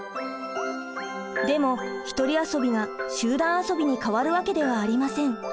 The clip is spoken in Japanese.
でも「ひとり遊び」が「集団遊び」に変わるわけではありません。